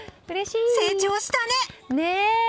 成長したね！